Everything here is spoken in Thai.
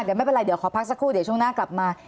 เดี๋ยวไม่เป็นไรเดี๋ยวขอพักสักครู่เดี๋ยวช่วงหน้ากลับมา